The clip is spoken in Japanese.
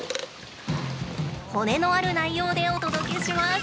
骨のある内容でお届けします！